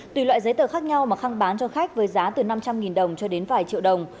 tùy loại giấy tờ khác nhau mà khang bán cho khách với giá từ năm trăm linh đồng cho đến vài triệu đồng